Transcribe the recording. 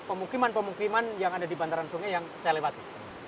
pemukiman pemukiman yang ada di bantaran sungai yang saya lewati